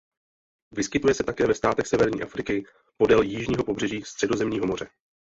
Vyskytuje se také ve státech severní Afriky podél jižního pobřeží Středozemního moře.